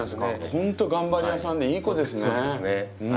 ほんと頑張り屋さんでいい子ですね。